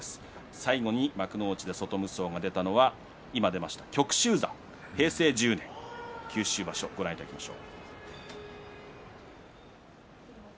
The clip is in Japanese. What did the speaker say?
最後に幕内で外無双が出たのは平成１０年、九州場所ご覧いただきましょう。